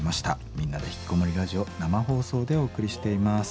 「みんなでひきこもりラジオ」生放送でお送りしています。